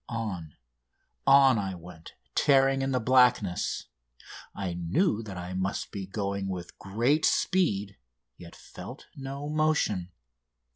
On, on I went tearing in the blackness. I knew that I must be going with great speed, yet felt no motion.